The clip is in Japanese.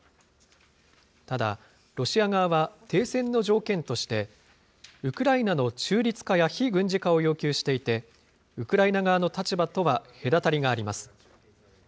ただ、ロシア側は停戦の条件として、ウクライナの中立化や非軍事化を要求していて、ウクライナ側の立場とは隔たりがあります。